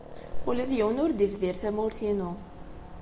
Ula d yiwen ur d-yebdir tamurt-inu.